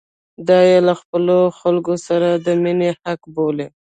دا یې له خپلو خلکو سره د مینې حق بولي.